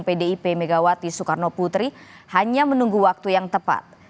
pdip megawati soekarno putri hanya menunggu waktu yang tepat